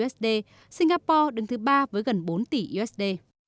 singapore đứng thứ ba với gần bốn tỷ usd